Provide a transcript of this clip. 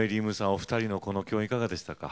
お二人のこの共演いかがでしたか？